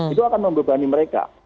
itu akan membebani mereka